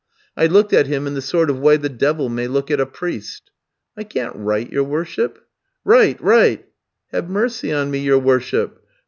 I looked at him in the sort of way the devil may look at a priest. "'I can't write, your worship.' "'Write, write!' "'Have mercy on me, your worship!'